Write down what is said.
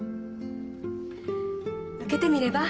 受けてみれば？